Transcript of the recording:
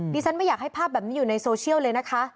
ดิฉันไม่อยากให้ภาพแบบนี้อยู่ในโซเชียลเลยนะคะ